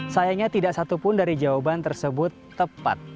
sayangnya tidak satu pun dari jawaban tersebut tepat